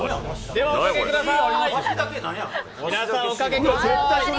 では、皆さんおかけください。